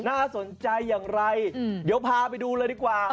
น่าสนใจอย่างไรเดี๋ยวพาไปดูเลยดีกว่า